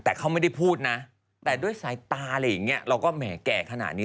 แต่เขาไม่ได้พูดนะแต่ด้วยสายตาอะไรอย่างนี้เราก็แหมแก่ขนาดนี้